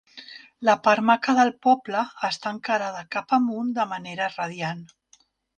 La part maca del poble està encarada cap amunt de manera radiant.